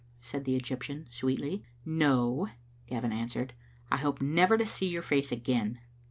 said the Egyptian, sweetly. "No," Gavin answered. "I hope never to see your face again."